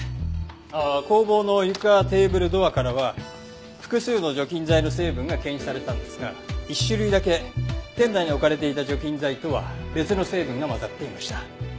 ああ工房の床テーブルドアからは複数の除菌剤の成分が検出されたんですが１種類だけ店内に置かれていた除菌剤とは別の成分が混ざっていました。